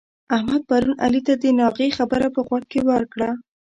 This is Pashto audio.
احمد پرون علي ته د ناغې خبره په غوږ کې ورکړه.